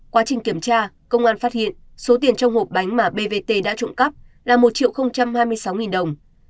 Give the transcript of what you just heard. quá trình kiểm tra công an phát hiện số tiền trong hộp bánh mà bvt đã trộm cắp là một triệu hai mươi sáu đồng